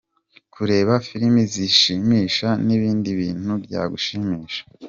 Kureba filime zishimisha, N’ibindi bintu byagushimisha.